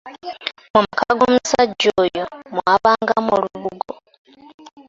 Mu maka g’omusajja oyo mwabangamu olubugo.